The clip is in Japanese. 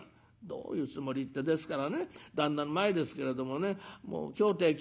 「どういうつもりってですからね旦那の前ですけれどもねもう今日ってえ